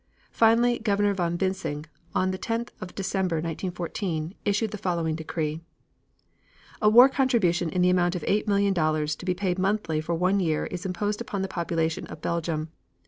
Finally Governor von Bissing, on the 10th of December, 1914, issued the following decree: A war contribution of the amount of eight million dollars to be paid monthly for one year is imposed upon the population of Belgium.